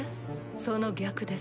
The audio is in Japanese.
その逆です。